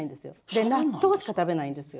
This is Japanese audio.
で納豆しか食べないんですよ。